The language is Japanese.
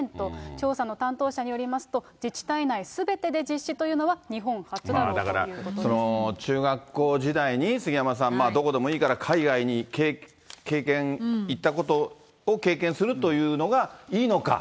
調査の担当者によりますと、自治体内すべてで実施というのは、日だから中学校時代に、杉山さん、どこでもいいから、海外に、経験、行ったことを経験するというのがいいのか。